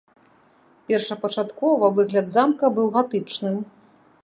Першапачаткова выгляд замка быў гатычным.